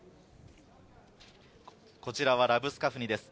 こちらはラブスカフニです。